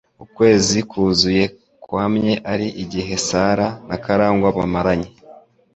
Ukwezi kuzuye kwamye ari igihe Sarah na Karangwa bamaranye.